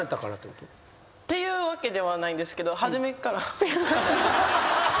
っていうわけではないんですけど。